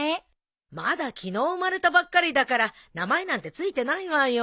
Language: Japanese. まだ昨日生まれたばっかりだから名前なんて付いてないわよ。